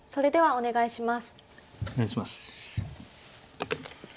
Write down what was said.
お願いします。